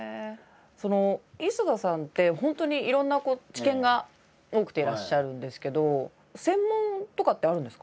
磯田さんって本当にいろんな知見が多くていらっしゃるんですけど専門とかってあるんですか？